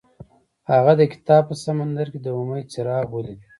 هغه د کتاب په سمندر کې د امید څراغ ولید.